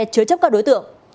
chứa chấp các đối tượng